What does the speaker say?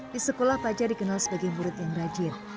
di sekolah fajar dikenal sebagai murid yang rajin